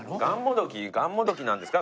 がんもどきなんですか？